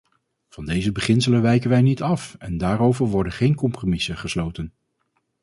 Van deze beginselen wijken wij niet af en daarover worden geen compromissen gesloten.